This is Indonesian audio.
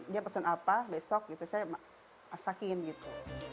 dia pesan apa besok gitu saya masakin gitu